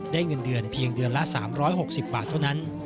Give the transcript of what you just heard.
เงินเดือนเพียงเดือนละ๓๖๐บาทเท่านั้น